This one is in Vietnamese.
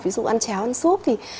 ví dụ ăn cháo ăn súp thì